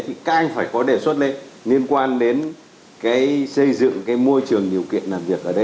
thì càng phải có đề xuất lên liên quan đến cái xây dựng cái môi trường điều kiện làm việc ở đây